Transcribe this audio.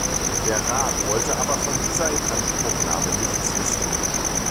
Der Rat wollte aber von dieser Inanspruchnahme nichts wissen.